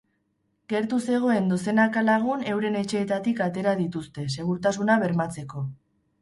Gertu zegoen dozenaka lagun euren etxeetatik atera dituzte, segurtasuna bermatzeko.